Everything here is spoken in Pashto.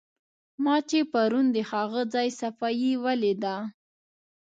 ما چې پرون د هغه ځای صفایي ولیده.